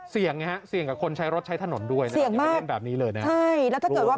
เสี่ยงเสี่ยงกับคนใช้รถใช้ถนนด้วยแบบนี้เลยแล้วถ้าเกิดว่า